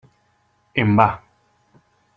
En va.